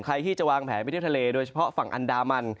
ใครที่จะวางแผนไปเที่ยวทะเลโดยเฉพาะฝั่งอันดามัน